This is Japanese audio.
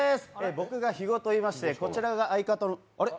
僕が肥後といいましてこちらが相方のあれ？